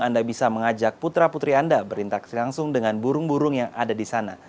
anda bisa mengajak putra putri anda berinteraksi langsung dengan burung burung yang ada di sana